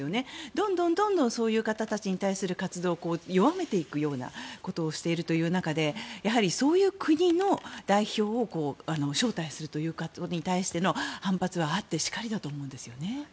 どんどんそういう方たちに対する活動を弱めていくようなことをしているという中でそういう国の代表を招待するという活動に対しての反発はあってしかりだと思うんですよね。